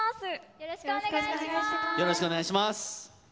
よろしくお願いします。